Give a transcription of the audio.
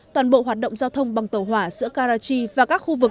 toàn bộ hoạt động giao thông bằng tàu hỏa giữa karachi và các khu vực